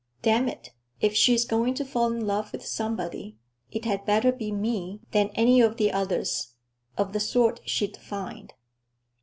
"Damn it, if she's going to fall in love with somebody, it had better be me than any of the others—of the sort she'd find.